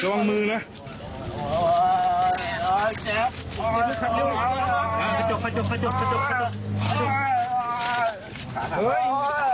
เย็บพื้นก่อน